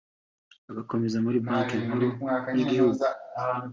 agakomereza muri Banki Nkuru y’Igihugu